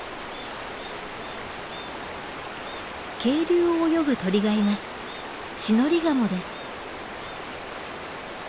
渓流を泳ぐ鳥がいます。